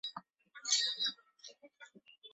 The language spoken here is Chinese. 她都会很认真地听着